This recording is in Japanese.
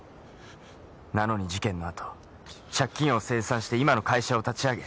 なのに事件のあと借金を清算して今の会社を立ち上げ